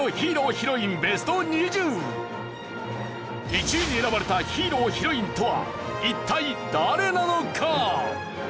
１位に選ばれたヒーロー＆ヒロインとは一体誰なのか？